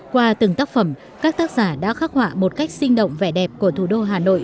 qua từng tác phẩm các tác giả đã khắc họa một cách sinh động vẻ đẹp của thủ đô hà nội